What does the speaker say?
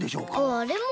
あれも！